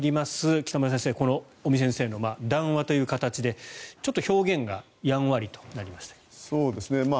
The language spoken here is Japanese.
北村先生尾身会長の談話という形でちょっと表現がやんわりとなりましたけど。